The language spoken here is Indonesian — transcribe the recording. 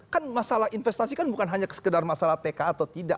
kan masalah investasi kan bukan hanya sekedar masalah tk atau tidak